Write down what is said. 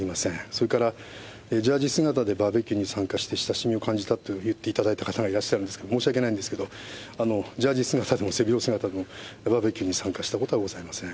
それからジャージ姿でバーベキューに参加して親しみを感じたと言っていただいた方がいらっしゃるんですが、申し訳ないんですけれども、ジャージ姿でも背広姿でも、バーベキューに参加したことはございません。